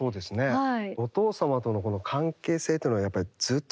はい。